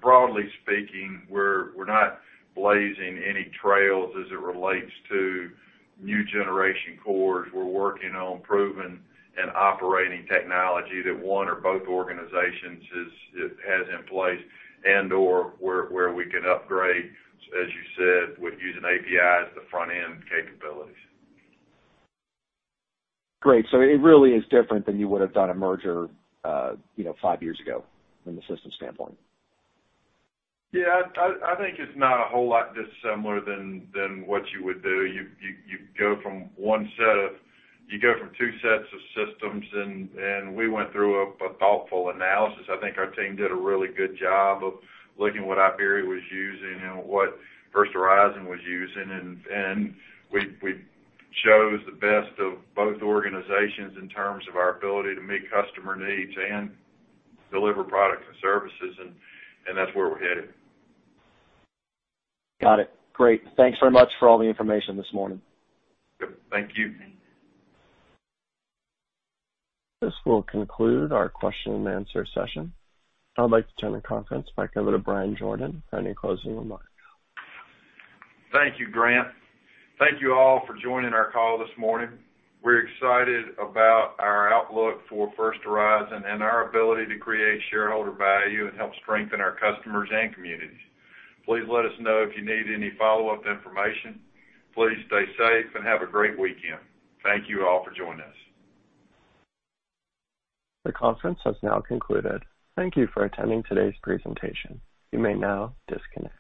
Broadly speaking, we're not blazing any trails as it relates to new generation cores. We're working on proven and operating technology that one or both organizations has in place and/or where we can upgrade, as you said, with using APIs at the front end capabilities. Great. It really is different than you would've done a merger five years ago from the system standpoint. Yeah. I think it's not a whole lot dissimilar than what you would do. You go from two sets of systems, and we went through a thoughtful analysis. I think our team did a really good job of looking what Iberia was using and what First Horizon was using, and we chose the best of both organizations in terms of our ability to meet customer needs and deliver products and services, and that's where we're headed. Got it. Great. Thanks very much for all the information this morning. Good. Thank you. This will conclude our question-and-answer session. I'd like to turn the conference back over to Bryan Jordan for any closing remarks. Thank you, Grant. Thank you all for joining our call this morning. We're excited about our outlook for First Horizon and our ability to create shareholder value and help strengthen our customers and communities. Please let us know if you need any follow-up information. Please stay safe and have a great weekend. Thank you all for joining us. The conference has now concluded. Thank you for attending today's presentation. You may now disconnect.